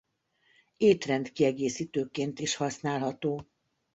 Étrend kiegészítőként is használható.